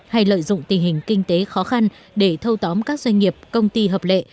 hay lợi dụng tình hình kinh tế khó khăn để thâu tóm các doanh nghiệp công ty hợp lệ